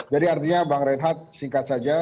jadi artinya bang reinhardt singkat saja